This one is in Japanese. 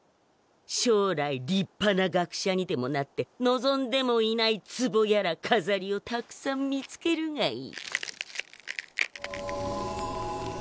将来立派な学者にでもなって望んでもいないツボやらかざりをたくさん見つけるがいい。